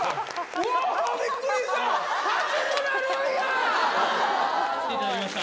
うわ、びっくりした。